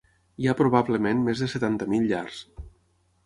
Hi ha probablement més de setanta mil llars.